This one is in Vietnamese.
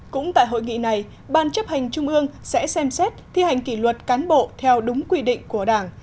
cũng tại hội nghị này ban chấp hành trung ương sẽ xem xét thi hành kỷ luật cán bộ theo đúng quy định của đảng